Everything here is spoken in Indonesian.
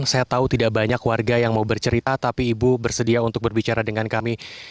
saya tahu tidak banyak warga yang mau bercerita tapi ibu bersedia untuk berbicara dengan kami